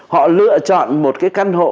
họ lựa chọn một cái căn hộ